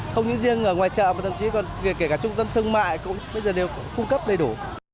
không những riêng ở ngoài chợ mà thậm chí còn kể cả trung tâm thương mại cũng bây giờ đều cung cấp đầy đủ